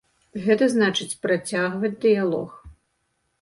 Гэта значыць, працягваць дыялог.